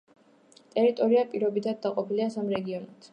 ტერიტორია პირობითად დაყოფილია სამ რეგიონად.